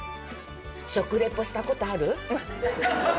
食レポしたことある？